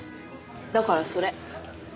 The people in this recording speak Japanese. だからそれ。